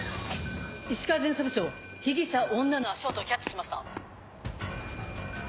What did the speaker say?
石川巡査部長被疑者女の足音をキャッチしました。